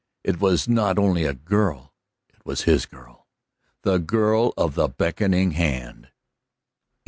It was not only a girl; it was his girl, the girl of the beckoning hand.